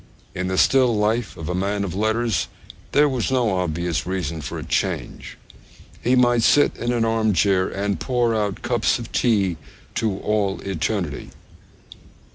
In the still life of a man of letters there was no obvious reason for a change. He might sit in an arm chair and pour out cups of tea to all eternity.